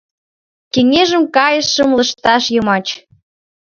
Кеҥежым кайышым лышташ йымач